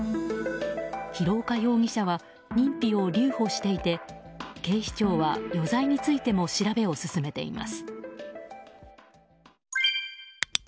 廣岡容疑者は認否を留保していて警視庁は余罪についても調べを進めています。